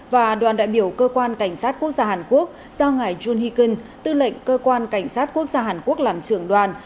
và đoàn đại biểu cơ quan cảnh sát quốc gia hàn quốc do ngài jun heeken tư lệnh cơ quan cảnh sát quốc gia hàn quốc làm trưởng đoàn